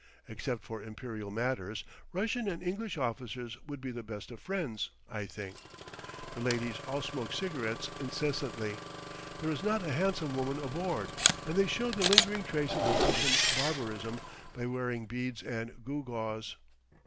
Except for imperial matters, Russian and English officers would be the best of friends, I think. The ladies all smoke cigarettes incessantly. There is not a handsome woman aboard, and they show the lingering traces of Russian barbarism by wearing beads and gewgaws.